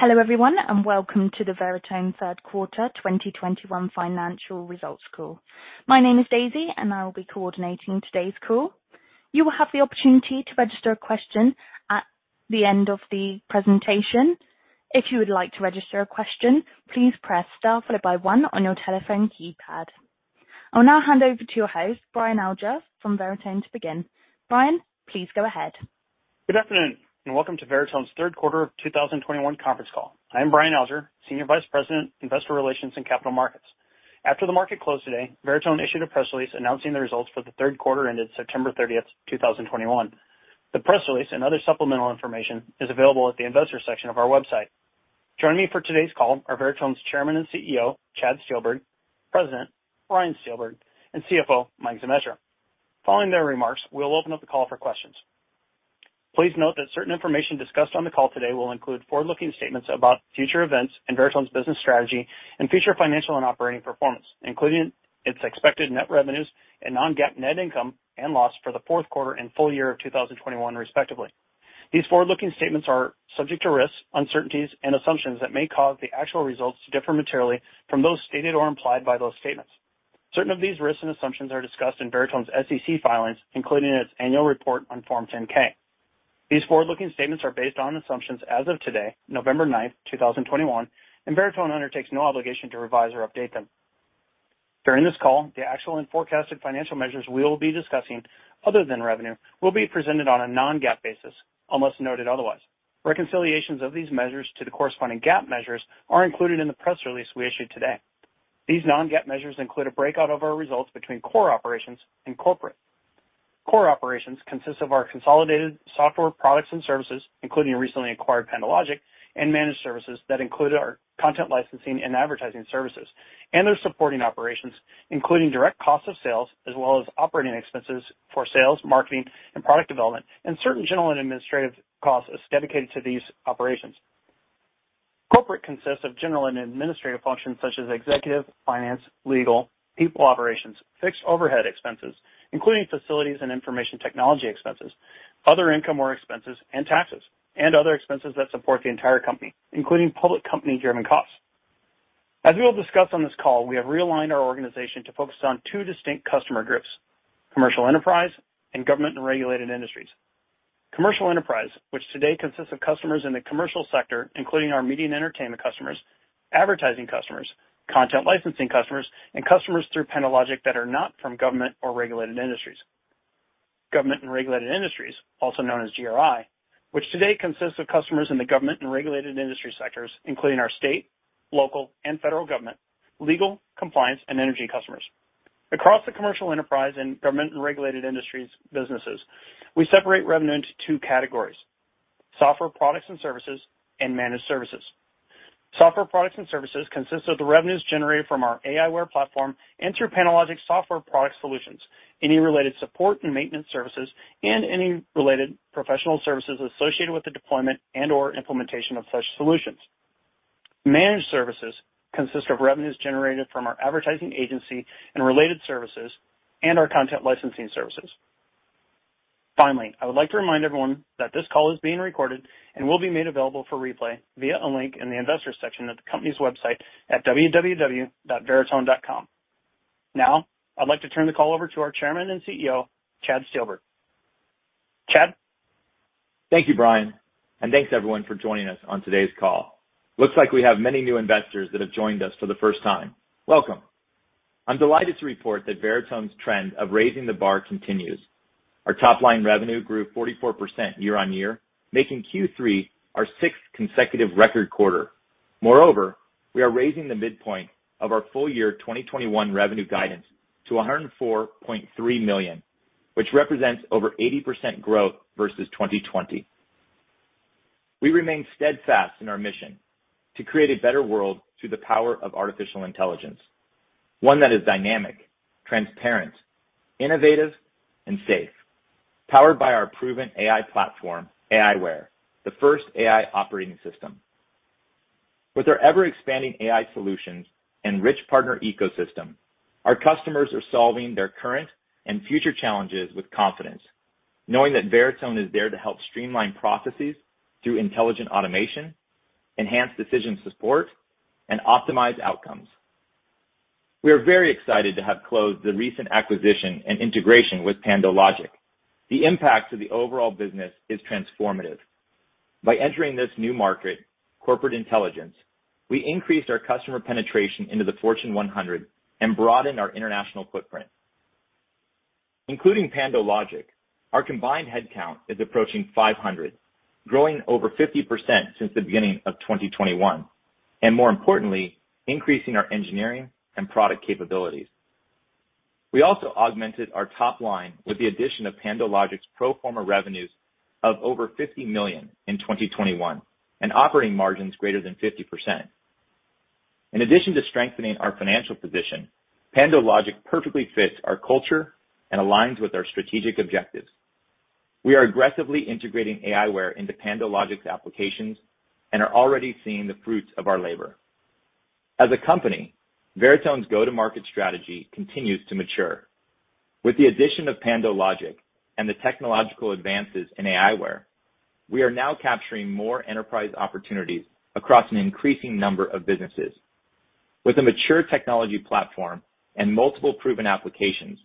Hello, everyone, and welcome to the Veritone Third Quarter 2021 Financial Results call. My name is Daisy, and I will be coordinating today's call. You will have the opportunity to register a question at the end of the presentation. If you would like to register a question, please press star followed by one on your telephone keypad. I will now hand over to your host, Brian Alger from Veritone to begin. Brian, please go ahead. Good afternoon and welcome to Veritone's third quarter of 2021 conference call. I'm Brian Alger, Senior Vice President, Investor Relations and Capital Markets. After the market closed today, Veritone issued a press release announcing the results for the third quarter ended September 30, 2021. The press release and other supplemental information is available at the investor section of our website. Joining me for today's call are Veritone's Chairman and CEO, Chad Steelberg, President, Ryan Steelberg, and CFO, Mike Zemetra. Following their remarks, we'll open up the call for questions. Please note that certain information discussed on the call today will include forward-looking statements about future events and Veritone's business strategy and future financial and operating performance, including its expected net revenues and non-GAAP net income and loss for the fourth quarter and full year of 2021, respectively. These forward-looking statements are subject to risks, uncertainties, and assumptions that may cause the actual results to differ materially from those stated or implied by those statements. Certain of these risks and assumptions are discussed in Veritone's SEC filings, including its annual report on Form 10-K. These forward-looking statements are based on assumptions as of today, November 9, 2021, and Veritone undertakes no obligation to revise or update them. During this call, the actual and forecasted financial measures we will be discussing, other than revenue, will be presented on a non-GAAP basis, unless noted otherwise. Reconciliations of these measures to the corresponding GAAP measures are included in the press release we issued today. These non-GAAP measures include a breakout of our results between core operations and corporate. Core Operations consists of our consolidated software products and services, including recently acquired PandoLogic and Managed Services that include our content licensing and advertising services, and their supporting operations, including direct cost of sales as well as operating expenses for sales, marketing, and product development, and certain general and administrative costs dedicated to these operations. Corporate consists of general and administrative functions such as executive, finance, legal, people operations, fixed overhead expenses, including facilities and information technology expenses, other income or expenses and taxes, and other expenses that support the entire company, including public company-driven costs. We will discuss on this call, we have realigned our organization to focus on two distinct customer groups, Commercial Enterprise and Government and Regulated Industries. Commercial Enterprise, which today consists of customers in the commercial sector, including our media and entertainment customers, advertising customers, content licensing customers, and customers through PandoLogic that are not from government or regulated industries. Government and Regulated Industries, also known as GRI, which today consists of customers in the government and regulated industry sectors, including our state, local, and federal government, legal, compliance, and energy customers. Across the Commercial Enterprise and Government and Regulated Industries businesses, we separate revenue into two categories, software products and services and managed services. Software products and services consist of the revenues generated from our aiWARE platform and through PandoLogic software product solutions, any related support and maintenance services, and any related professional services associated with the deployment and/or implementation of such solutions. Managed services consist of revenues generated from our advertising agency and related services and our content licensing services. Finally, I would like to remind everyone that this call is being recorded and will be made available for replay via a link in the investor section of the company's website at www.veritone.com. Now, I'd like to turn the call over to our Chairman and CEO, Chad Steelberg. Chad? Thank you, Brian, and thanks everyone for joining us on today's call. Looks like we have many new investors that have joined us for the first time. Welcome. I'm delighted to report that Veritone's trend of raising the bar continues. Our top-line revenue grew 44% year-on-year, making Q3 our sixth consecutive record quarter. Moreover, we are raising the midpoint of our full-year 2021 revenue guidance to $104.3 million, which represents over 80% growth versus 2020. We remain steadfast in our mission to create a better world through the power of artificial intelligence, one that is dynamic, transparent, innovative, and safe, powered by our proven AI platform, aiWARE, the first AI operating system. With our ever-expanding AI solutions and rich partner ecosystem, our customers are solving their current and future challenges with confidence, knowing that Veritone is there to help streamline processes through intelligent automation, enhance decision support, and optimize outcomes. We are very excited to have closed the recent acquisition and integration with PandoLogic. The impact to the overall business is transformative. By entering this new market, corporate intelligence, we increased our customer penetration into the Fortune 100 and broadened our international footprint. Including PandoLogic, our combined headcount is approaching 500, growing over 50% since the beginning of 2021, and more importantly, increasing our engineering and product capabilities. We also augmented our top line with the addition of PandoLogic's pro forma revenues of over $50 million in 2021 and operating margins greater than 50%. In addition to strengthening our financial position, PandoLogic perfectly fits our culture and aligns with our strategic objectives. We are aggressively integrating aiWARE into PandoLogic's applications and are already seeing the fruits of our labor. As a company, Veritone's go-to-market strategy continues to mature. With the addition of PandoLogic and the technological advances in aiWARE, we are now capturing more enterprise opportunities across an increasing number of businesses. With a mature technology platform and multiple proven applications,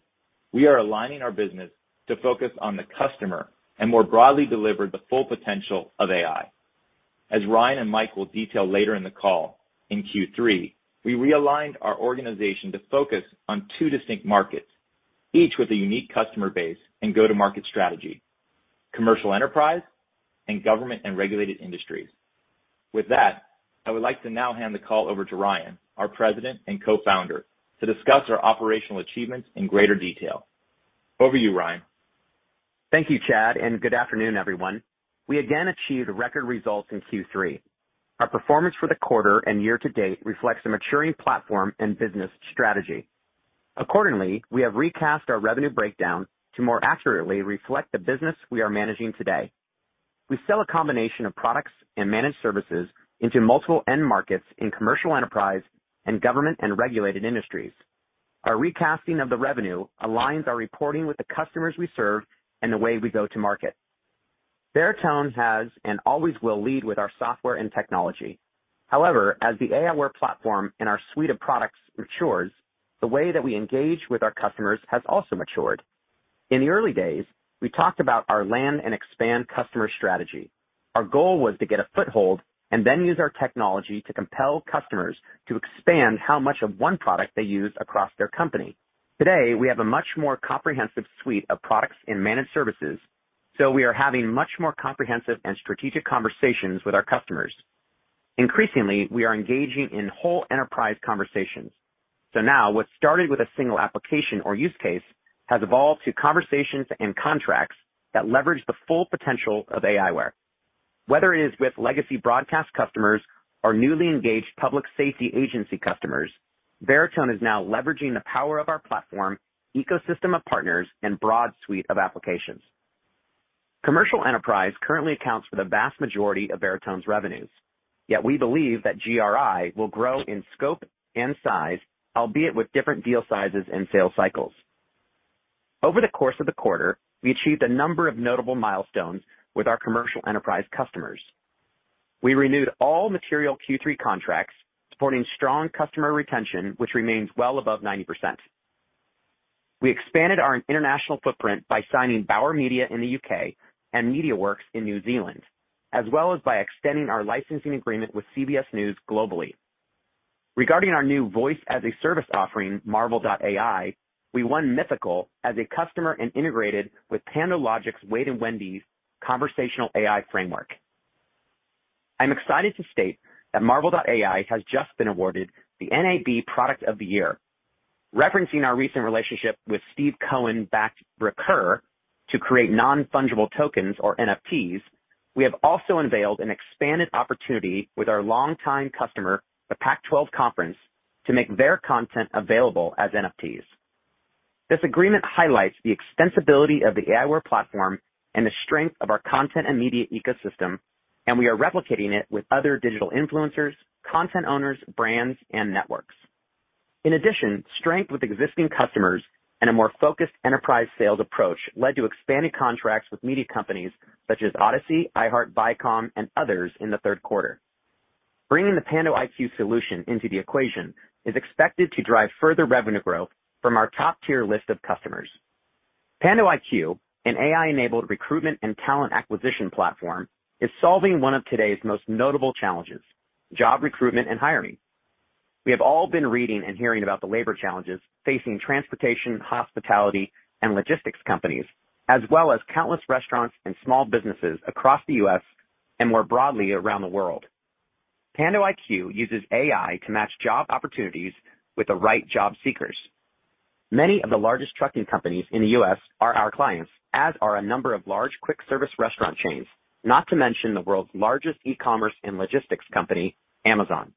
we are aligning our business to focus on the customer and more broadly deliver the full potential of AI. As Ryan and Mike will detail later in the call, in Q3, we realigned our organization to focus on two distinct markets, each with a unique customer base and go-to-market strategy, Commercial Enterprise and Government and Regulated Industries. With that, I would like to now hand the call over to Ryan, our President and Co-Founder, to discuss our operational achievements in greater detail. Over to you, Ryan. Thank you, Chad, and good afternoon, everyone. We again achieved record results in Q3. Our performance for the quarter and year to date reflects a maturing platform and business strategy. Accordingly, we have recast our revenue breakdown to more accurately reflect the business we are managing today. We sell a combination of products and managed services into multiple end markets in commercial enterprise and government and regulated industries. Our recasting of the revenue aligns our reporting with the customers we serve and the way we go to market. Veritone has and always will lead with our software and technology. However, as the aiWARE platform and our suite of products matures, the way that we engage with our customers has also matured. In the early days, we talked about our land and expand customer strategy. Our goal was to get a foothold and then use our technology to compel customers to expand how much of one product they use across their company. Today, we have a much more comprehensive suite of products and managed services, so we are having much more comprehensive and strategic conversations with our customers. Increasingly, we are engaging in whole enterprise conversations. Now what started with a single application or use case has evolved to conversations and contracts that leverage the full potential of aiWARE. Whether it is with legacy broadcast customers or newly engaged public safety agency customers, Veritone is now leveraging the power of our platform, ecosystem of partners, and broad suite of applications. Commercial Enterprise currently accounts for the vast majority of Veritone's revenues. Yet we believe that GRI will grow in scope and size, albeit with different deal sizes and sales cycles. Over the course of the quarter, we achieved a number of notable milestones with our commercial enterprise customers. We renewed all material Q3 contracts, supporting strong customer retention, which remains well above 90%. We expanded our international footprint by signing Bauer Media in the U.K. and MediaWorks in New Zealand, as well as by extending our licensing agreement with CBS News globally. Regarding our new Voice-as-a-Service offering, MARVEL.ai, we won Mythical as a customer and integrated with PandoLogic's Wade & Wendy's conversational AI framework. I'm excited to state that MARVEL.ai has just been awarded the NAB Product of the Year. Referencing our recent relationship with Steve Cohen-backed RECUR to create non-fungible tokens, or NFTs, we have also unveiled an expanded opportunity with our longtime customer, the Pac-12 Conference, to make their content available as NFTs. This agreement highlights the extensibility of the aiWARE platform and the strength of our content and media ecosystem, and we are replicating it with other digital influencers, content owners, brands, and networks. In addition, strength with existing customers and a more focused enterprise sales approach led to expanded contracts with media companies such as Audacy, iHeart, Viacom, and others in the third quarter. Bringing the pandoIQ solution into the equation is expected to drive further revenue growth from our top-tier list of customers. pandoIQ, an AI-enabled recruitment and talent acquisition platform, is solving one of today's most notable challenges, job recruitment and hiring. We have all been reading and hearing about the labor challenges facing transportation, hospitality, and logistics companies, as well as countless restaurants and small businesses across the U.S. and more broadly around the world. pandoIQ uses AI to match job opportunities with the right job seekers. Many of the largest trucking companies in the U.S. are our clients, as are a number of large quick-service restaurant chains, not to mention the world's largest e-commerce and logistics company, Amazon.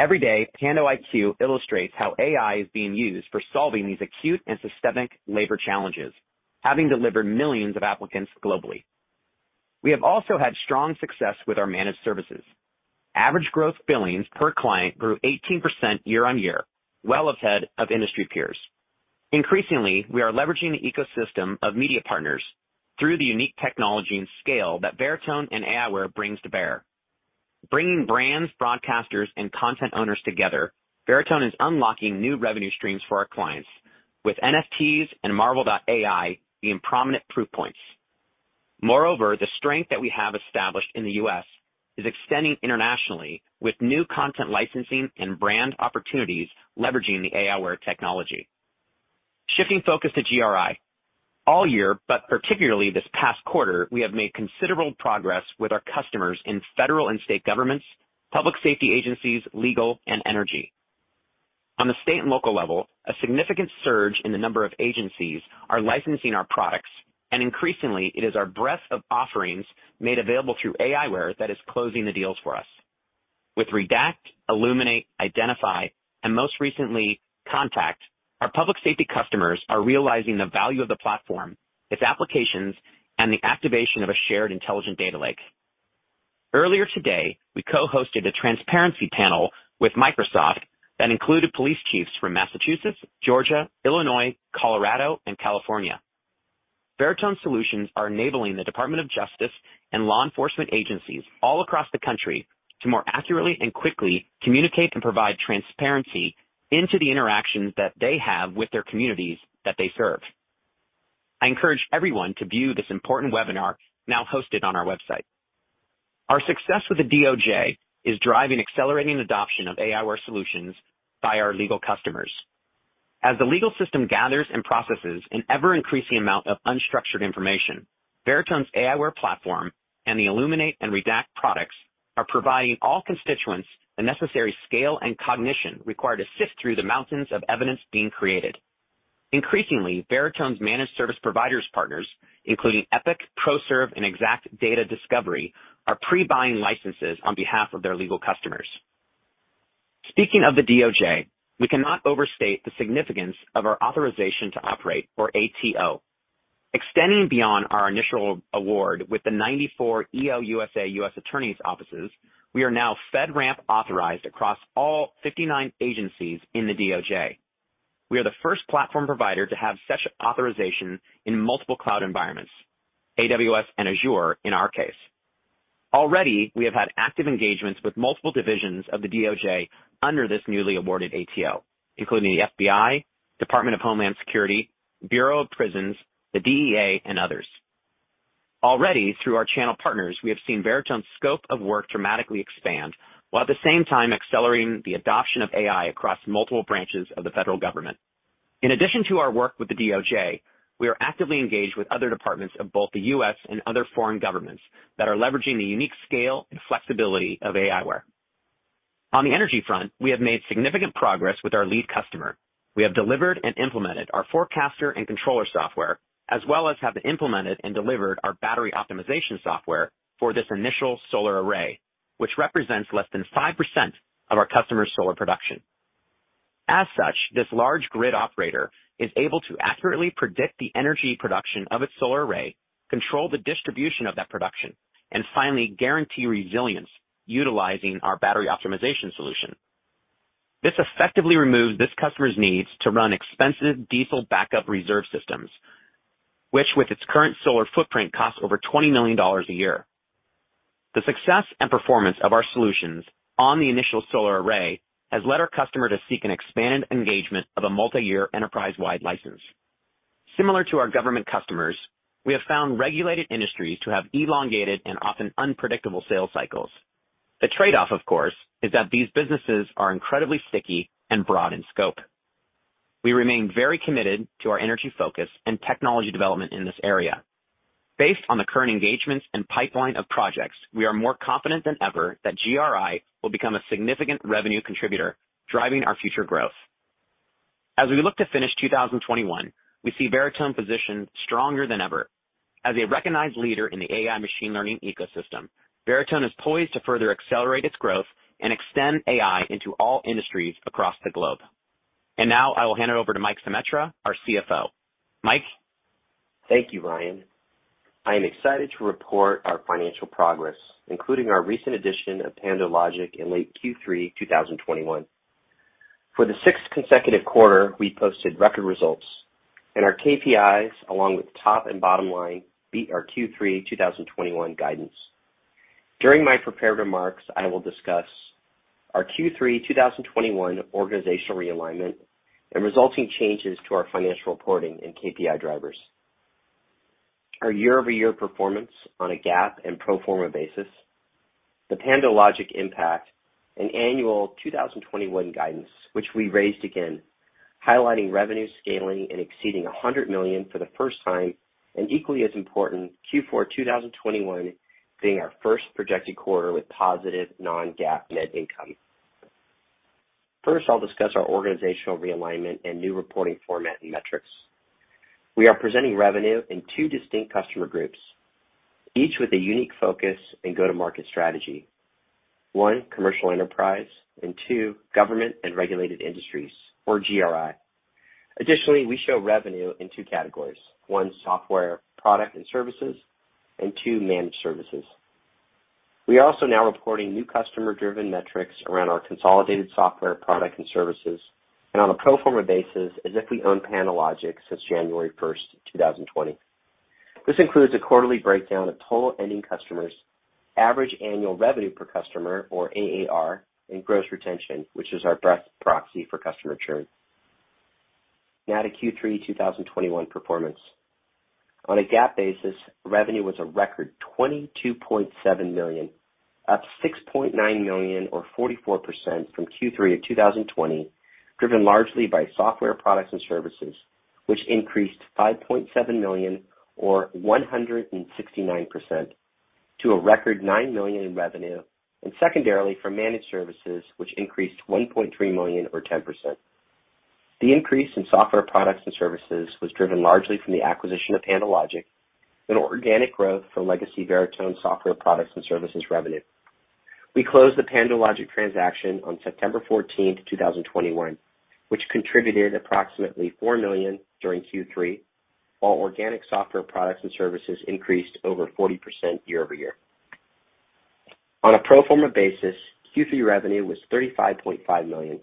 Every day, pandoIQ illustrates how AI is being used for solving these acute and systemic labor challenges, having delivered millions of applicants globally. We have also had strong success with our managed services. Average growth billings per client grew 18% year-over-year, well ahead of industry peers. Increasingly, we are leveraging the ecosystem of media partners through the unique technology and scale that Veritone and aiWARE brings to bear. Bringing brands, broadcasters, and content owners together, Veritone is unlocking new revenue streams for our clients with NFTs and MARVEL.ai being prominent proof points. Moreover, the strength that we have established in the U.S. is extending internationally with new content licensing and brand opportunities leveraging the aiWARE technology. Shifting focus to GRI. All year, but particularly this past quarter, we have made considerable progress with our customers in federal and state governments, public safety agencies, legal, and energy. On the state and local level, a significant surge in the number of agencies are licensing our products, and increasingly it is our breadth of offerings made available through aiWARE that is closing the deals for us. With Redact, Illuminate, IDentify, and most recently Contact. Our public safety customers are realizing the value of the platform, its applications, and the activation of a shared intelligent data lake. Earlier today, we co-hosted a transparency panel with Microsoft that included police chiefs from Massachusetts, Georgia, Illinois, Colorado, and California. Veritone solutions are enabling the Department of Justice and law enforcement agencies all across the country to more accurately and quickly communicate and provide transparency into the interactions that they have with their communities that they serve. I encourage everyone to view this important webinar now hosted on our website. Our success with the DOJ is driving accelerating adoption of AI solutions by our legal customers. As the legal system gathers and processes an ever-increasing amount of unstructured information, Veritone's aiWARE platform and the Illuminate and Redact products are providing all constituents the necessary scale and cognition required to sift through the mountains of evidence being created. Increasingly, Veritone's managed service providers partners, including Epiq, ProServe, and Exact Data Discovery, are pre-buying licenses on behalf of their legal customers. Speaking of the DOJ, we cannot overstate the significance of our authorization to operate or ATO. Extending beyond our initial award with the 94 EOUSA U.S. Attorneys offices, we are now FedRAMP authorized across all 59 agencies in the DOJ. We are the first platform provider to have such authorization in multiple cloud environments, AWS and Azure in our case. Already, we have had active engagements with multiple divisions of the DOJ under this newly awarded ATO, including the FBI, Department of Homeland Security, Bureau of Prisons, the DEA, and others. Already, through our channel partners, we have seen Veritone's scope of work dramatically expand, while at the same time accelerating the adoption of AI across multiple branches of the federal government. In addition to our work with the DOJ, we are actively engaged with other departments of both the U.S. and other foreign governments that are leveraging the unique scale and flexibility of aiWARE. On the energy front, we have made significant progress with our lead customer. We have delivered and implemented our forecaster and controller software, as well as have implemented and delivered our battery optimization software for this initial solar array, which represents less than 5% of our customers' solar production. As such, this large grid operator is able to accurately predict the energy production of its solar array, control the distribution of that production, and finally guarantee resilience utilizing our battery optimization solution. This effectively removes this customer's needs to run expensive diesel backup reserve systems, which with its current solar footprint costs over $20 million a year. The success and performance of our solutions on the initial solar array has led our customer to seek an expanded engagement of a multi-year enterprise-wide license. Similar to our government customers, we have found regulated industries to have elongated and often unpredictable sales cycles. The trade-off, of course, is that these businesses are incredibly sticky and broad in scope. We remain very committed to our energy focus and technology development in this area. Based on the current engagements and pipeline of projects, we are more confident than ever that GRI will become a significant revenue contributor driving our future growth. As we look to finish 2021, we see Veritone positioned stronger than ever. As a recognized leader in the AI machine learning ecosystem, Veritone is poised to further accelerate its growth and extend AI into all industries across the globe. Now I will hand it over to Mike Zemetra, our CFO. Mike? Thank you, Ryan. I am excited to report our financial progress, including our recent addition of PandoLogic in late Q3 2021. For the sixth consecutive quarter, we posted record results and our KPIs along with top and bottom line beat our Q3 2021 guidance. During my prepared remarks, I will discuss our Q3 2021 organizational realignment and resulting changes to our financial reporting and KPI drivers, our year-over-year performance on a GAAP and pro forma basis, the PandoLogic impact, and annual 2021 guidance, which we raised again, highlighting revenue scaling and exceeding $100 million for the first time, and equally as important, Q4 2021 being our first projected quarter with positive non-GAAP net income. First, I'll discuss our organizational realignment and new reporting format and metrics. We are presenting revenue in two distinct customer groups, each with a unique focus and go-to-market strategy. One, Commercial Enterprise, and two, Government and Regulated Industries or GRI. Additionally, we show revenue in two categories. One, software, product and services, and two, managed services. We are also now reporting new customer-driven metrics around our consolidated software, product and services, and on a pro forma basis, as if we own PandoLogic since January 1, 2020. This includes a quarterly breakdown of total ending customers, average annual revenue per customer or AAR, and gross retention, which is our best proxy for customer churn. Now to Q3 2021 performance. On a GAAP basis, revenue was a record $22.7 million, up $6.9 million or 44% from Q3 of 2020, driven largely by software products and services, which increased $5.7 million or 169% to a record $9 million in revenue. Secondarily for managed services, which increased $1.3 million or 10%. The increase in software products and services was driven largely from the acquisition of PandoLogic and organic growth from legacy Veritone software products and services revenue. We closed the PandoLogic transaction on September 14, 2021, which contributed approximately $4 million during Q3, while organic software products and services increased over 40% year over year. On a pro forma basis, Q3 revenue was $35.5 million,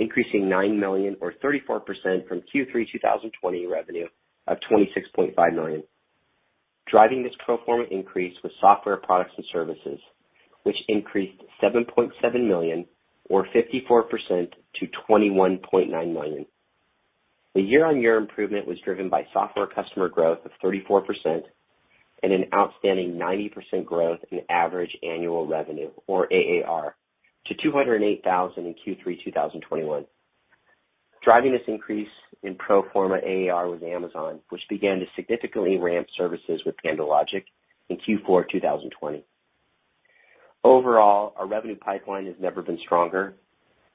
increasing $9 million or 34% from Q3 2020 revenue of $26.5 million. Driving this pro forma increase was software products and services, which increased $7.7 million or 54% to $21.9 million. The year-on-year improvement was driven by software customer growth of 34% and an outstanding 90% growth in average annual revenue or AAR to $208,000 in Q3 2021. Driving this increase in pro forma AAR was Amazon, which began to significantly ramp services with PandoLogic in Q4 2020. Overall, our revenue pipeline has never been stronger.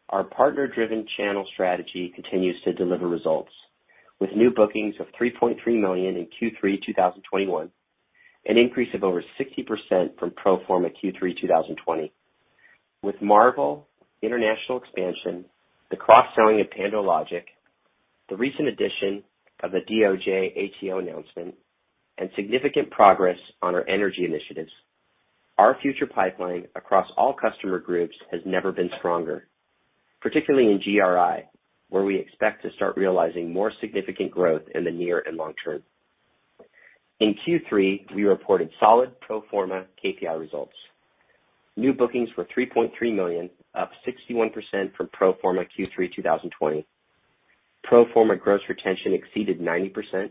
Our partner-driven channel strategy continues to deliver results with new bookings of $3.3 million in Q3 2021, an increase of over 60% from pro forma Q3 2020. With MARVEL international expansion, the cross-selling of PandoLogic, the recent addition of the DOJ ATO announcement, and significant progress on our energy initiatives, our future pipeline across all customer groups has never been stronger, particularly in GRI, where we expect to start realizing more significant growth in the near and long term. In Q3, we reported solid pro forma KPI results. New bookings were $3.3 million, up 61% from pro forma Q3 2020. Pro forma gross retention exceeded 90%.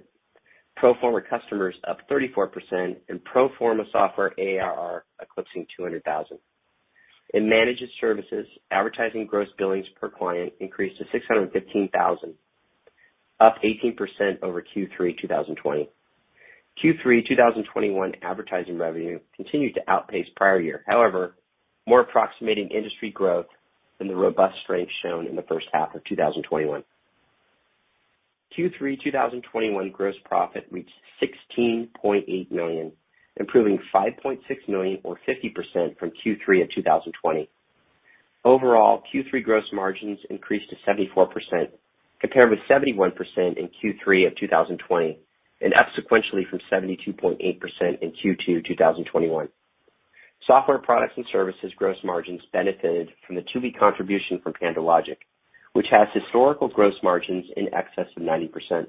Pro forma customers up 34%. Pro forma software ARR eclipsing $200,000. In managed services, advertising gross billings per client increased to $615,000, up 18% over Q3 2020. Q3 2021 advertising revenue continued to outpace prior year. However, more approximating industry growth than the robust strength shown in the first half of 2021. Q3 2021 gross profit reached $16.8 million, improving $5.6 million or 50% from Q3 of 2020. Overall, Q3 gross margins increased to 74%, compared with 71% in Q3 of 2020, and up sequentially from 72.8% in Q2 2021. Software products and services gross margins benefited from the two-week contribution from PandoLogic, which has historical gross margins in excess of 90%.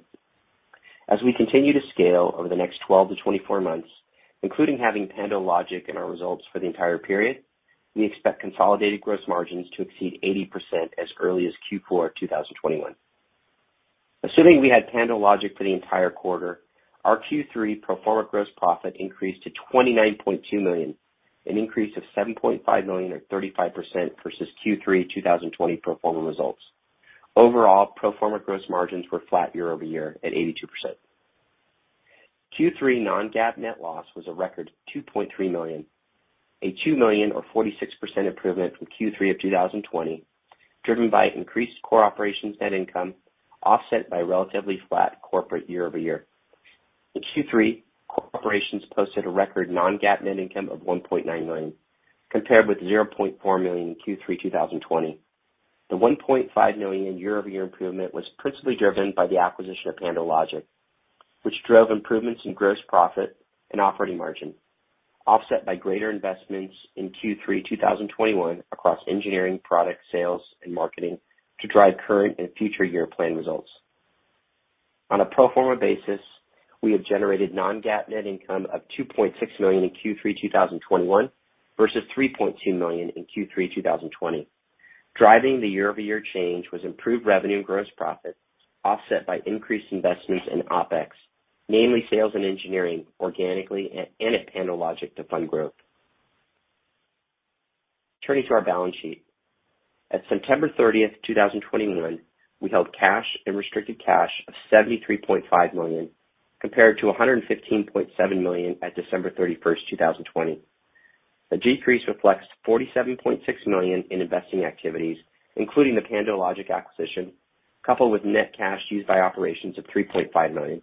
As we continue to scale over the next 12-24 months, including having PandoLogic in our results for the entire period, we expect consolidated gross margins to exceed 80% as early as Q4 2021. Assuming we had PandoLogic for the entire quarter, our Q3 pro forma gross profit increased to $29.2 million, an increase of $7.5 million or 35% versus Q3 2020 pro forma results. Overall, pro forma gross margins were flat year-over-year at 82%. Q3 non-GAAP net loss was a record $2.3 million, a $2 million or 46% improvement from Q3 of 2020, driven by increased core operations net income offset by relatively flat corporate year-over-year. In Q3, core operations posted a record non-GAAP net income of $1.9 million, compared with $0.4 million in Q3 2020. The $1.5 million year-over-year improvement was principally driven by the acquisition of PandoLogic, which drove improvements in gross profit and operating margin, offset by greater investments in Q3 2021 across engineering, product sales, and marketing to drive current and future year plan results. On a pro forma basis, we have generated non-GAAP net income of $2.6 million in Q3 2021 versus $3.2 million in Q3 2020. Driving the year-over-year change was improved revenue and gross profit offset by increased investments in OpEx, mainly sales and engineering organically and at PandoLogic to fund growth. Turning to our balance sheet. At September 30, 2021, we held cash and restricted cash of $73.5 million, compared to $115.7 million at December 31, 2020. The decrease reflects $47.6 million in investing activities, including the PandoLogic acquisition, coupled with net cash used by operations of $3.5 million,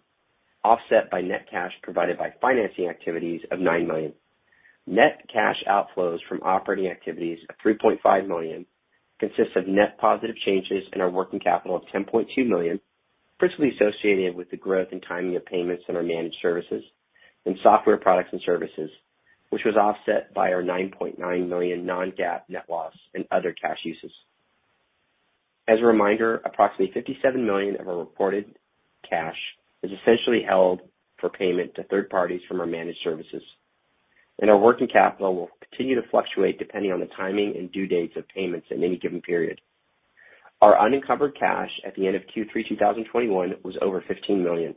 offset by net cash provided by financing activities of $9 million. Net cash outflows from operating activities of $3.5 million consists of net positive changes in our working capital of $10.2 million, principally associated with the growth and timing of payments in our managed services and software products and services, which was offset by our $9.9 million non-GAAP net loss and other cash uses. As a reminder, approximately $57 million of our reported cash is essentially held for payment to third parties from our managed services, and our working capital will continue to fluctuate depending on the timing and due dates of payments at any given period. Our uncovered cash at the end of Q3 2021 was over $15 million,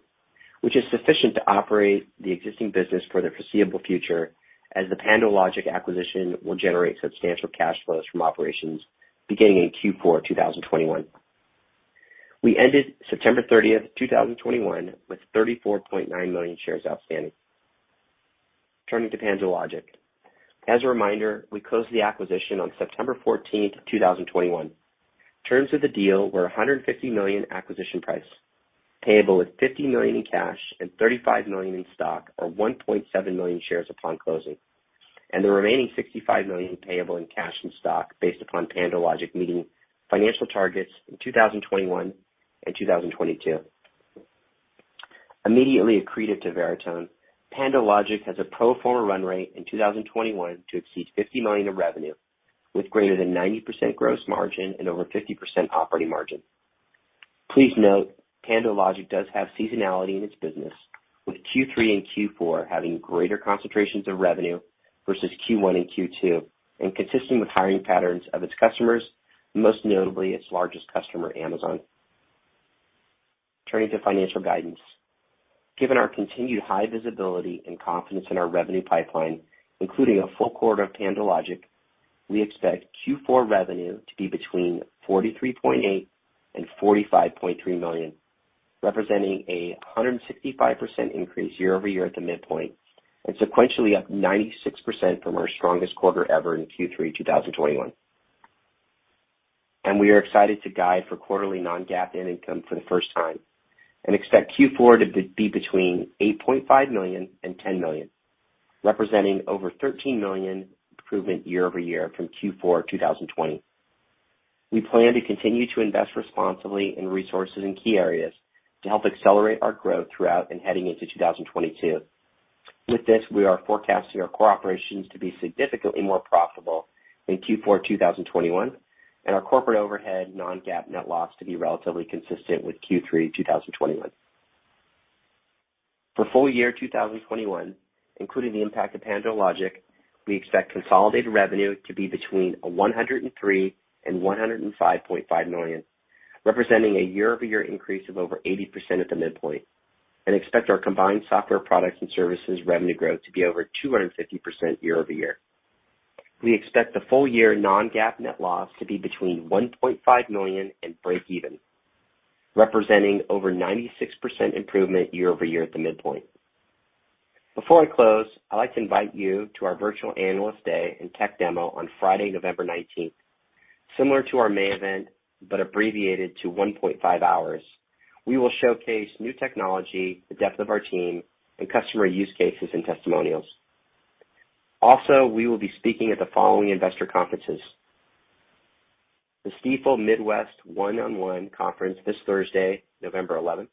which is sufficient to operate the existing business for the foreseeable future as the PandoLogic acquisition will generate substantial cash flows from operations beginning in Q4 2021. We ended September 30th, 2021, with 34.9 million shares outstanding. Turning to PandoLogic. As a reminder, we closed the acquisition on September 14, 2021. Terms of the deal were a $150 million acquisition price, payable at $50 million in cash and $35 million in stock, or 1.7 million shares upon closing, and the remaining $65 million payable in cash and stock based upon PandoLogic meeting financial targets in 2021 and 2022. Immediately accretive to Veritone, PandoLogic has a pro forma run rate in 2021 to exceed $50 million of revenue with greater than 90% gross margin and over 50% operating margin. Please note PandoLogic does have seasonality in its business, with Q3 and Q4 having greater concentrations of revenue versus Q1 and Q2, and consistent with hiring patterns of its customers, most notably its largest customer, Amazon. Turning to financial guidance. Given our continued high visibility and confidence in our revenue pipeline, including a full quarter of PandoLogic, we expect Q4 revenue to be between $43.8 million and $45.3 million, representing a 165% increase year-over-year at the midpoint, and sequentially up 96% from our strongest quarter ever in Q3 2021. We are excited to guide for quarterly non-GAAP net income for the first time and expect Q4 to be between $8.5 million and $10 million, representing over $13 million improvement year-over-year from Q4 2020. We plan to continue to invest responsibly in resources in key areas to help accelerate our growth throughout and heading into 2022. With this, we are forecasting our core operations to be significantly more profitable in Q4 2021, and our corporate overhead non-GAAP net loss to be relatively consistent with Q3 2021. For full year 2021, including the impact of PandoLogic, we expect consolidated revenue to be between $103 million and $105.5 million, representing a year-over-year increase of over 80% at the midpoint, and expect our combined software products and services revenue growth to be over 250% year-over-year. We expect the full year non-GAAP net loss to be between $1.5 million and breakeven, representing over 96% improvement year-over-year at the midpoint. Before I close, I'd like to invite you to our virtual Analyst Day and Tech Demo on Friday, November 19th. Similar to our May event, but abbreviated to 1.5 hours, we will showcase new technology, the depth of our team, and customer use cases and testimonials. Also, we will be speaking at the following investor conferences, the Stifel Midwest One-on-One Conference this Thursday, November 11,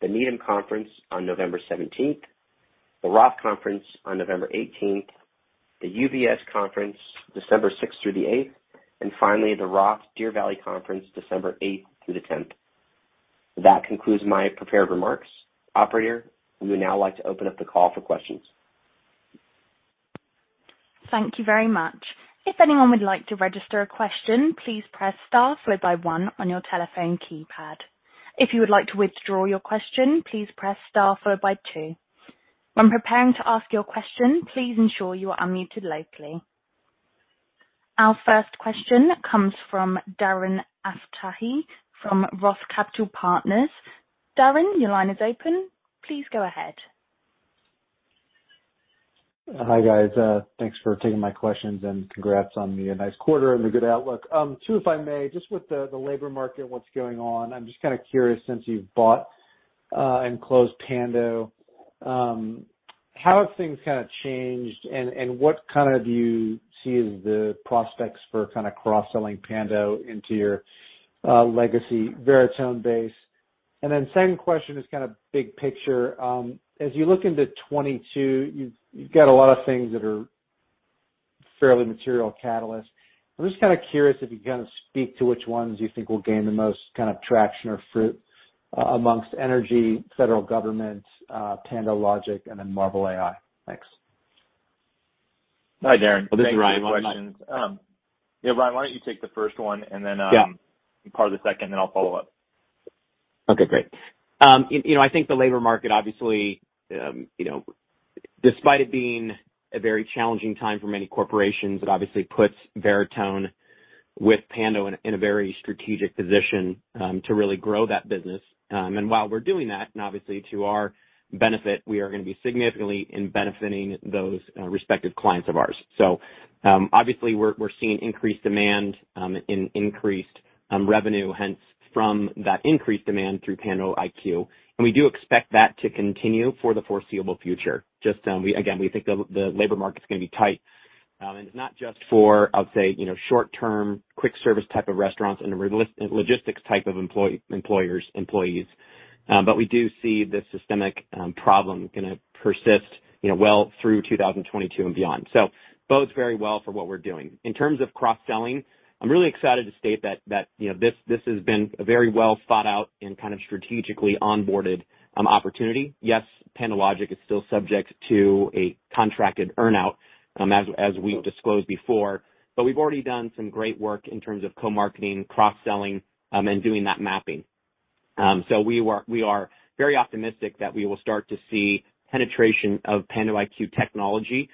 the Needham Conference on November 17, the Roth Conference on November 18, the UBS Conference December 6 through the 8, and finally the ROTH Deer Valley Conference December 8 through the 10. That concludes my prepared remarks. Operator, we would now like to open up the call for questions. Thank you very much. If anyone would like to register a question, please press star followed by one on your telephone keypad. If you would like to withdraw your question, please press star followed by two. When preparing to ask your question, please ensure you are unmuted locally. Our first question comes from Darren Aftahi from Roth Capital Partners. Darren, your line is open. Please go ahead. Hi, guys. Thanks for taking my questions and congrats on the nice quarter and the good outlook. Two, if I may. Just with the labor market, what's going on. I'm just kinda curious, since you've bought and closed Pando, how have things kinda changed and what kinda do you see as the prospects for kinda cross-selling Pando into your legacy Veritone base? Second question is kinda big picture. As you look into 2022, you've got a lot of things that are fairly material catalyst. I'm just kinda curious if you can speak to which ones you think will gain the most kind of traction or fruit amongst energy, federal government, PandoLogic, and then MARVEL.ai? Thanks. Hi, Darren. Well, this is Ryan. Yeah, Ryan, why don't you take the first one. Yeah. And then part of the second, then I'll follow up. Okay, great. You know, I think the labor market, obviously, you know, despite it being a very challenging time for many corporations, it obviously puts Veritone with Pando in a very strategic position to really grow that business. While we're doing that, and obviously to our benefit, we are gonna be significantly benefiting those respective clients of ours. Obviously we're seeing increased demand, increased revenue hence from that increased demand through pandoIQ. We do expect that to continue for the foreseeable future. Just, we, again, we think the labor market's gonna be tight. It's not just for, I'll say, you know, short term, quick-service type of restaurants and retail-logistics type of employers, employees. We do see the systemic problem gonna persist, you know, well through 2022 and beyond. Bodes very well for what we're doing. In terms of cross-selling, I'm really excited to state that you know, this has been a very well thought out and kind of strategically onboarded opportunity. Yes, PandoLogic is still subject to a contracted earn-out, as we've disclosed before, but we've already done some great work in terms of co-marketing, cross-selling, and doing that mapping. We are very optimistic that we will start to see penetration of pandoIQ technology,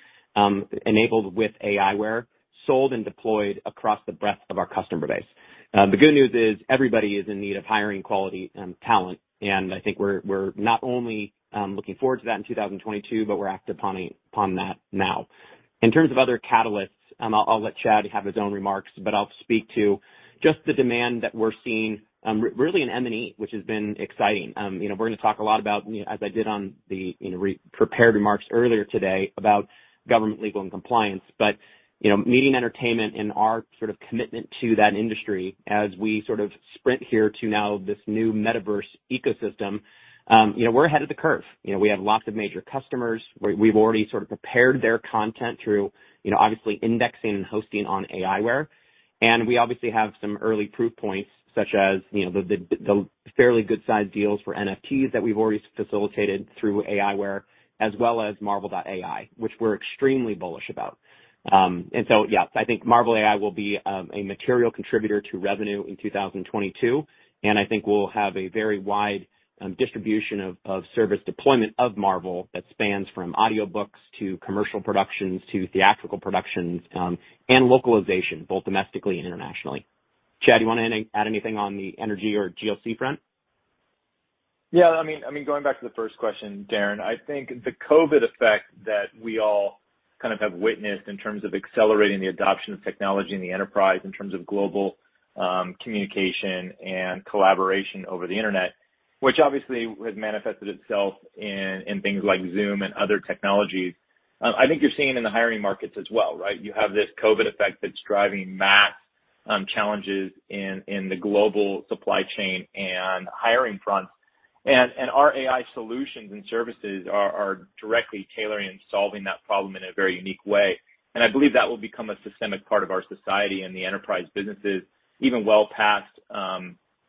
enabled with aiWARE, sold and deployed across the breadth of our customer base. The good news is everybody is in need of hiring quality talent, and I think we're not only looking forward to that in 2022, but we're active upon it, upon that now. In terms of other catalysts, I'll let Chad have his own remarks, but I'll speak to just the demand that we're seeing really in M&E, which has been exciting. You know, we're gonna talk a lot about, you know, as I did on the prepared remarks earlier today about government legal and compliance. You know, media and entertainment and our sort of commitment to that industry as we sort of sprint here to now this new metaverse ecosystem, you know, we're ahead of the curve. You know, we have lots of major customers. We've already sort of prepared their content through, you know, obviously indexing and hosting on aiWARE. We obviously have some early proof points such as, you know, the fairly good size deals for NFTs that we've already facilitated through aiWARE, as well as MARVEL.ai, which we're extremely bullish about. Yeah, I think MARVEL.ai will be a material contributor to revenue in 2022, and I think we'll have a very wide distribution of service deployment of MARVEL.ai that spans from audiobooks to commercial productions to theatrical productions and localization, both domestically and internationally. Chad, you want to add anything on the energy or GRI front? Yeah, I mean, going back to the first question, Darren, I think the COVID effect that we all kind of have witnessed in terms of accelerating the adoption of technology in the enterprise in terms of global communication and collaboration over the internet, which obviously has manifested itself in things like Zoom and other technologies. I think you're seeing it in the hiring markets as well, right? You have this COVID effect that's driving massive challenges in the global supply chain and hiring fronts. Our AI solutions and services are directly tailoring and solving that problem in a very unique way. I believe that will become a systemic part of our society and the enterprise businesses even well past,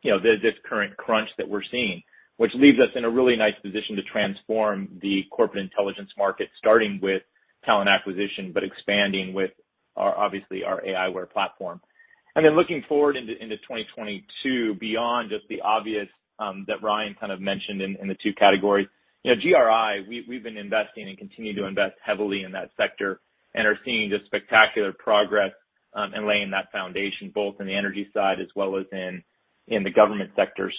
you know, this current crunch that we're seeing, which leaves us in a really nice position to transform the corporate intelligence market, starting with talent acquisition, but expanding with our, obviously, our aiWARE platform. Then looking forward into 2022 beyond just the obvious, that Ryan kind of mentioned in the two categories. You know, GRI, we've been investing and continue to invest heavily in that sector and are seeing just spectacular progress in laying that foundation, both in the energy side as well as in the government sector.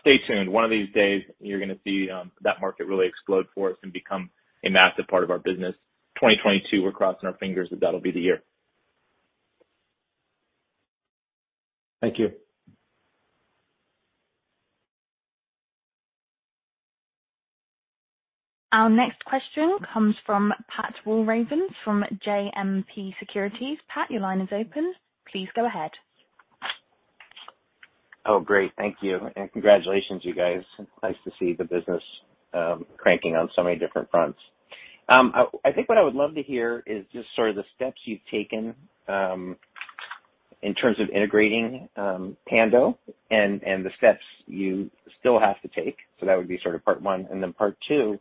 Stay tuned. One of these days, you're gonna see that market really explode for us and become a massive part of our business. 2022, we're crossing our fingers that that'll be the year. Thank you. Our next question comes from Pat Walravens from JMP Securities. Pat, your line is open. Please go ahead. Oh, great. Thank you, and congratulations, you guys. Nice to see the business cranking on so many different fronts. I think what I would love to hear is just sort of the steps you've taken in terms of integrating Pando and the steps you still have to take. That would be sort of part one. Then part two,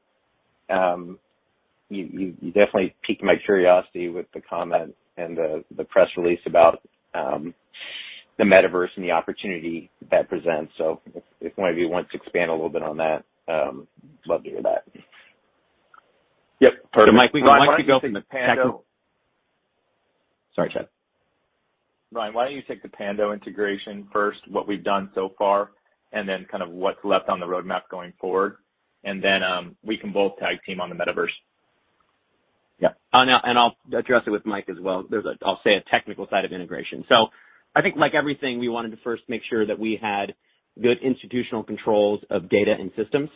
you definitely piqued my curiosity with the comment and the press release about the metaverse and the opportunity that presents. If one of you wants to expand a little bit on that, love to hear that. Yep. Perfect. Mike, we can Ryan, why don't you take the Pando- Sorry, Chad. Ryan, why don't you take the Pando integration first, what we've done so far, and then kind of what's left on the roadmap going forward. Then, we can both tag team on the metaverse. Yep. Oh, no, and I'll address it with Mike as well. There's a, I'll say, a technical side of integration. I think like everything, we wanted to first make sure that we had good institutional controls of data and systems.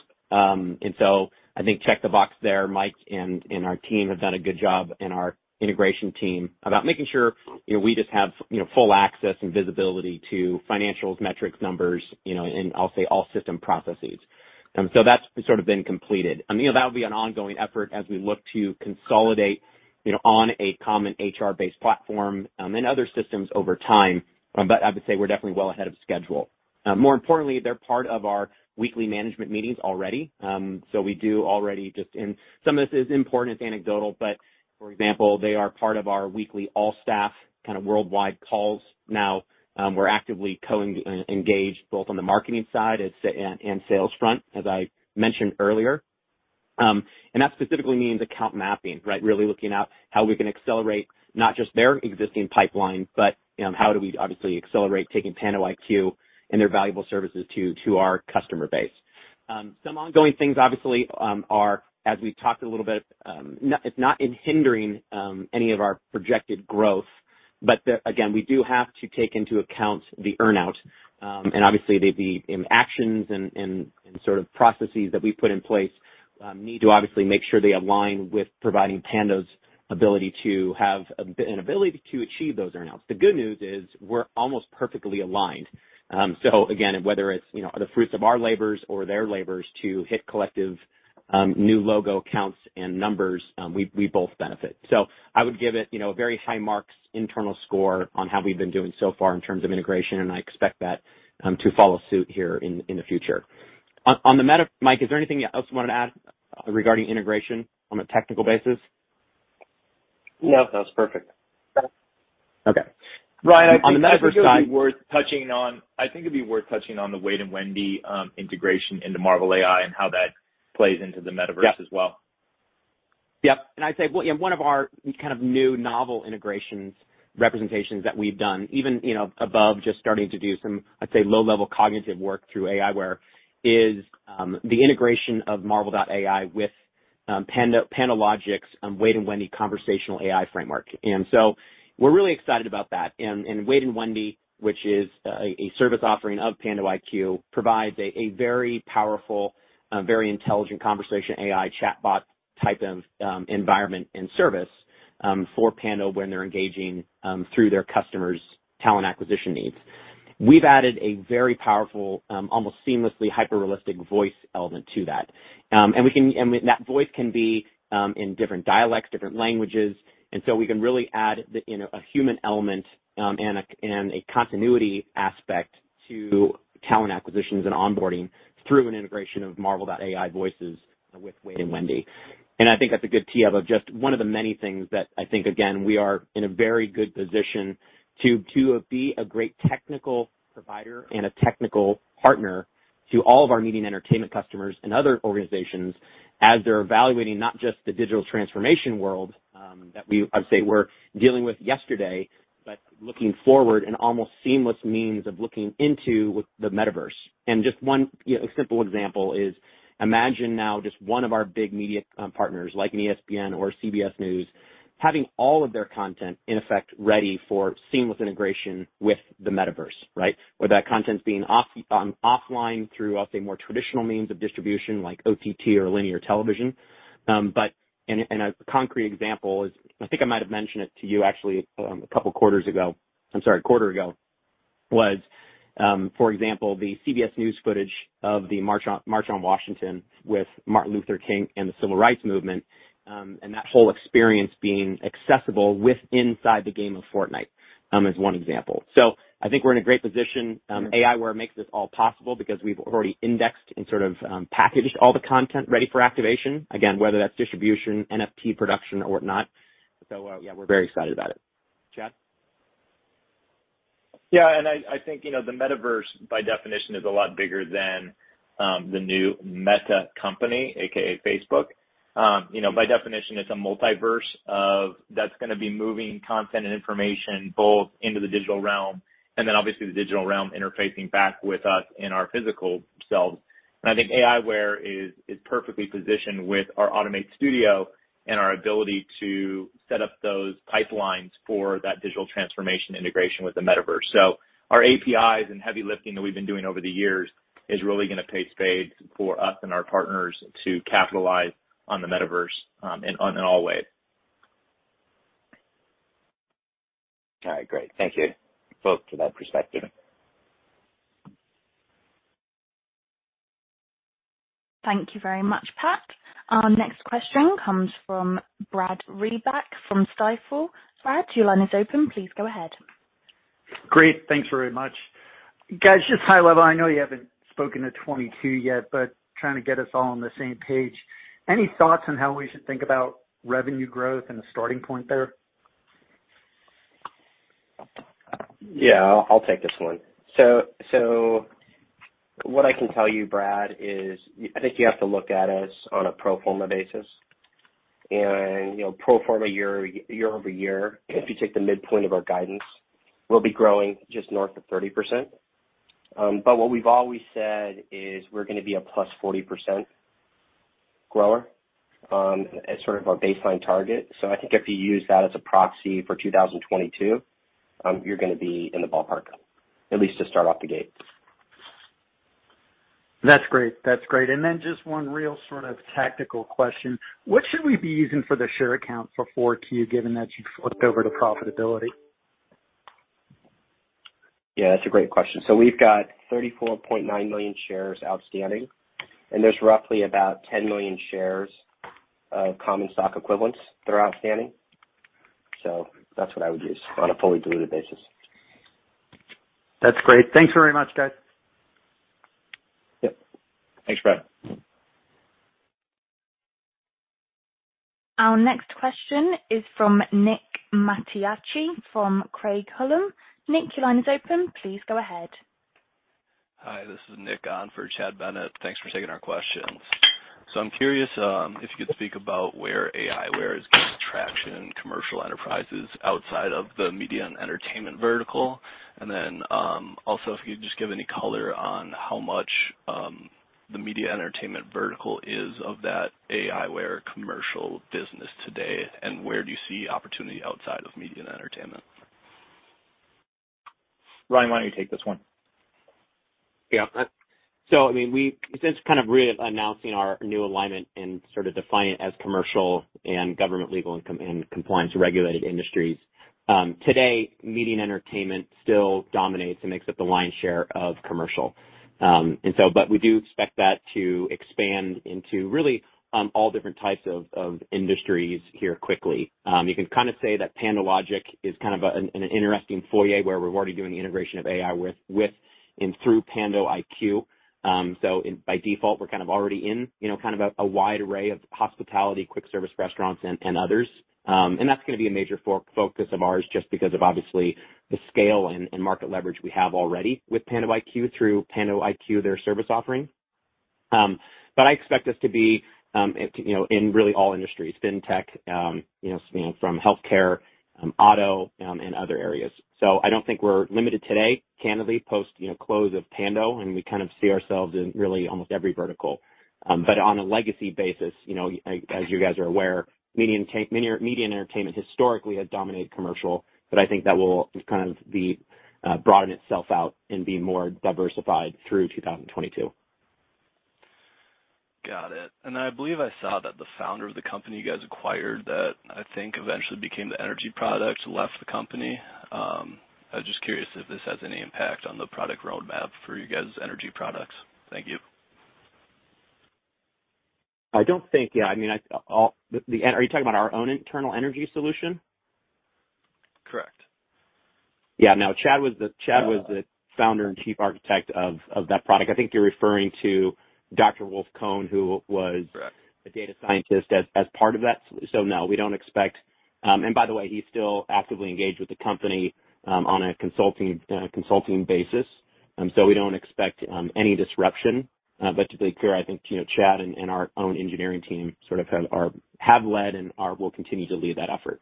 I think check the box there. Mike and our team have done a good job and our integration team about making sure, you know, we just have, you know, full access and visibility to financials, metrics, numbers, you know, and I'll say all system processes. That's sort of been completed. I mean, that would be an ongoing effort as we look to consolidate, you know, on a common HR-based platform, and other systems over time. I would say we're definitely well ahead of schedule. More importantly, they're part of our weekly management meetings already. We do already. Some of this is important, it's anecdotal, but for example, they are part of our weekly all staff kind of worldwide calls now. We're actively engaged both on the marketing side and sales front, as I mentioned earlier. That specifically means account mapping, right? Really looking at how we can accelerate not just their existing pipeline, but you know, how do we obviously accelerate taking pandoIQ and their valuable services to our customer base. Some ongoing things obviously are, as we've talked a little bit, not hindering any of our projected growth, but again, we do have to take into account the earn-out. Obviously the actions and sort of processes that we put in place need to obviously make sure they align with providing Pando's ability to have an ability to achieve those earn-outs. The good news is we're almost perfectly aligned. Again, whether it's, you know, the fruits of our labors or their labors to hit collective new logo counts and numbers, we both benefit. I would give it, you know, a very high marks internal score on how we've been doing so far in terms of integration, and I expect that to follow suit here in the future. Mike, is there anything else you wanted to add regarding integration on a technical basis? No, that was perfect. Okay. Ryan, I think On the metaverse side. I think it'd be worth touching on the Wade & Wendy integration into MARVEL.ai and how that plays into the metaverse as well. Yep. I'd say, well, you know, one of our kind of new novel integrations representations that we've done, even, you know, above just starting to do some, I'd say, low-level cognitive work through aiWARE, is the integration of MARVEL.ai with PandoLogic's Wade & Wendy conversational AI framework. We're really excited about that. Wade & Wendy, which is a service offering of pandoIQ, provides a very powerful, very intelligent conversational AI chatbot type of environment and service for Pando when they're engaging through their customers' talent acquisition needs. We've added a very powerful, almost seamlessly hyper-realistic voice element to that. That voice can be in different dialects, different languages, and so we can really add the, you know, a human element and a continuity aspect to talent acquisitions and onboarding through an integration of MARVEL.ai voices with Wade & Wendy. I think that's a good tee up of just one of the many things that I think, again, we are in a very good position to be a great technical provider and a technical partner to all of our media and entertainment customers and other organizations as they're evaluating not just the digital transformation world that we, I would say, were dealing with yesterday, but looking forward to an almost seamless means of looking into the metaverse. Just one, you know, simple example is imagine now just one of our big media partners, like an ESPN or CBS News, having all of their content in effect ready for seamless integration with the metaverse, right? Whether that content is being offered offline through, I'll say, more traditional means of distribution like OTT or linear television. A concrete example is, I think I might have mentioned it to you actually, a couple quarters ago, I'm sorry, a quarter ago, was, for example, the CBS News footage of the March on Washington with Martin Luther King and the civil rights movement, and that whole experience being accessible within the game of Fortnite, is one example. I think we're in a great position. AiWARE makes this all possible because we've already indexed and sort of packaged all the content ready for activation, again, whether that's distribution, NFT production or whatnot. Yeah, we're very excited about it. Chad? Yeah. I think, you know, the metaverse by definition is a lot bigger than the new Meta company, AKA Facebook. You know, by definition, it's a multiverse that's gonna be moving content and information both into the digital realm and then obviously the digital realm interfacing back with us in our physical selves. I think aiWARE is perfectly positioned with our Automate Studio and our ability to set up those pipelines for that digital transformation integration with the metaverse. Our APIs and heavy lifting that we've been doing over the years is really gonna pay in spades for us and our partners to capitalize on the metaverse, in all ways. All right. Great. Thank you both for that perspective. Thank you very much, Pat. Our next question comes from Brad Reback from Stifel. Brad, your line is open. Please go ahead. Great. Thanks very much. Guys, just high level, I know you haven't spoken to 2022 yet, but trying to get us all on the same page. Any thoughts on how we should think about revenue growth and the starting point there? I'll take this one. What I can tell you, Brad, is I think you have to look at us on a pro forma basis. You know, pro forma year-over-year, if you take the midpoint of our guidance, we'll be growing just north of 30%. What we've always said is we're gonna be a plus 40% grower, as sort of our baseline target. I think if you use that as a proxy for 2022, you're gonna be in the ballpark, at least to start off the gate. That's great. Just one real sort of tactical question: What should we be using for the share count for 4Q, given that you've flipped over to profitability? Yeah, that's a great question. We've got 34.9 million shares outstanding, and there's roughly about 10 million shares of common stock equivalents that are outstanding. That's what I would use on a fully diluted basis. That's great. Thanks very much, guys. Yep. Thanks, Brad. Our next question is from Nick Mattiacci from Craig-Hallum. Nick, your line is open. Please go ahead. Hi, this is Nick on for Chad Bennett. Thanks for taking our questions. I'm curious if you could speak about where aiWARE is getting traction in commercial enterprises outside of the media and entertainment vertical. Also, if you could just give any color on how much the media and entertainment vertical is of that aiWARE commercial business today, and where you see opportunity outside of media and entertainment. Ryan, why don't you take this one? Since kind of re-announcing our new alignment and sort of define it as commercial and government legal and compliance regulated industries, today, media and entertainment still dominates and makes up the lion's share of commercial. We do expect that to expand into really all different types of industries here quickly. You can kind of say that PandoLogic is kind of an interesting foray where we're already doing the integration of AI with and through pandoIQ. By default, we're kind of already in, you know, kind of a wide array of hospitality, quick service restaurants and others. That's gonna be a major focus of ours just because of obviously the scale and market leverage we have already with pandoIQ through pandoIQ, their service offering. I expect us to be, you know, in really all industries, fintech, you know, from healthcare, auto, and other areas. I don't think we're limited today, candidly, post, you know, close of Pando, and we kind of see ourselves in really almost every vertical. On a legacy basis, you know, as you guys are aware, media and entertainment historically has dominated commercial, but I think that will kind of broaden itself out and be more diversified through 2022. Got it. I believe I saw that the founder of the company you guys acquired that I think eventually became the energy product, left the company. I was just curious if this has any impact on the product roadmap for you guys energy products. Thank you. I don't think. Yeah, I mean, are you talking about our own internal energy solution? Correct. Yeah. No, Chad was the Founder and Chief Architect of that product. I think you're referring to Dr. Wolf Kohn, who was a Data Scientist as part of that. Correct. So, now, we don't expect—by the way, he's still actively engaged with the company on a consulting basis. We don't expect any disruption. To be clear, I think you know Chad and our own engineering team sort of have led and will continue to lead that effort.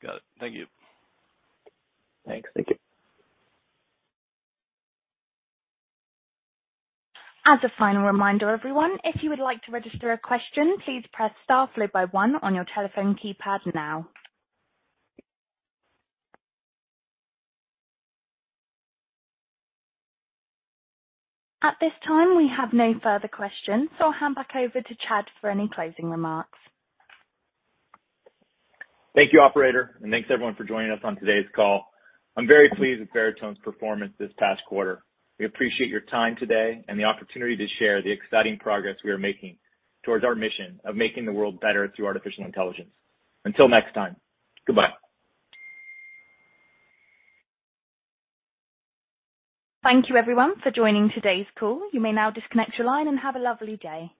Got it. Thank you. Thanks. Thank you. As a final reminder, everyone, if you would like to register a question, please press star followed by one on your telephone keypad now. At this time, we have no further questions, so I'll hand back over to Chad for any closing remarks. Thank you, operator, and thanks everyone for joining us on today's call. I'm very pleased with Veritone's performance this past quarter. We appreciate your time today and the opportunity to share the exciting progress we are making towards our mission of making the world better through artificial intelligence. Until next time, goodbye. Thank you everyone for joining today's call. You may now disconnect your line and have a lovely day.